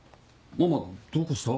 ママどうかした？